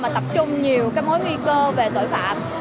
mà tập trung nhiều cái mối nguy cơ về tội phạm